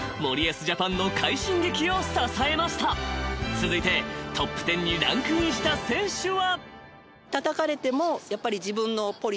［続いてトップテンにランクインした選手は］